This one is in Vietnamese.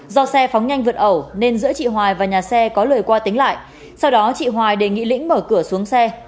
do xe phóng nhanh vượt ẩu nên giữa chị hoài và nhà xe có lời qua tính lại sau đó chị hoài đề nghị lĩnh mở cửa xuống xe